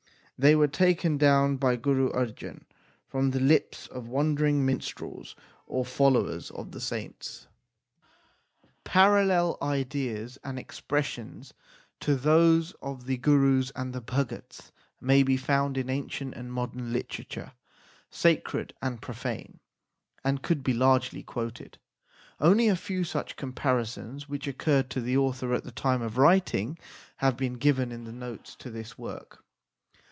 They were taken down by Guru Arjan from the lips of wandering minstrels or followers of the saints. xxvi THE SIKH RELIGION Parallel ideas and expressions to those of the Gurus and the Bhagats may be found in ancient and modern literature, sacred and profane, and could be largely quoted. Only a few such com parisons, which occurred to the author at the time of writing, have been given in the notes to this work.